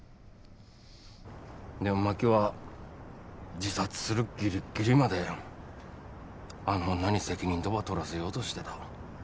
でも真紀は自殺するぎりぎりまであの女に責任とば取らせようとしでだ。